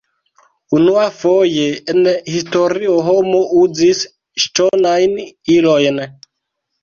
Unuafoje en historio homo uzis ŝtonajn ilojn.